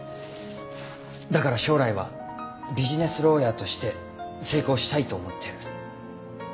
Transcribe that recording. だから将来はビジネスローヤーとして成功したいと思ってる。